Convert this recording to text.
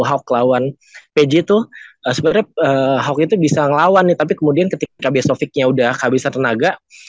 hawk lawan pg itu aspet hawk itu bisa ngelawan tapi kemudian ketika besoknya udah habis tenaga